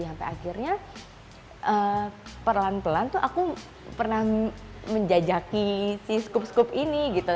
sampai akhirnya perlahan pelan tuh aku pernah menjajaki si skup skup ini gitu